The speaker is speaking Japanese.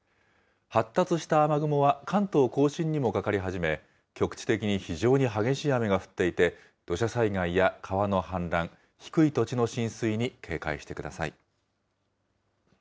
発達した雨雲は関東甲信にもかかり始め、局地的に非常に激しい雨が降っていて、土砂災害や川の氾濫、低い土地の浸水に警戒してください。